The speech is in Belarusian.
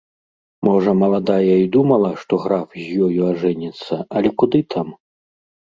Можа, маладая і думала, што граф з ёю ажэніцца, але куды там.